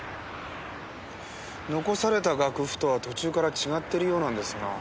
残された楽譜とは途中から違ってるようなんですが。